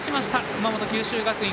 熊本、九州学院。